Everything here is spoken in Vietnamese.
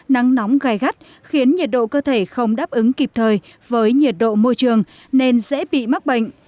nắng nóng gai gắt khiến nhiệt độ cơ thể không đáp ứng kịp thời với nhiệt độ môi trường nên dễ bị mắc bệnh